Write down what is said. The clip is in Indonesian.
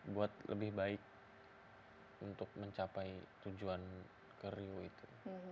buat lebih baik untuk mencapai tujuan kiri itu